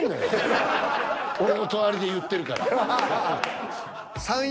俺の隣で言ってるから。